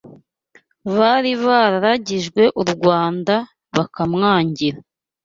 bari bararagijwe u Rwanda bakamwangira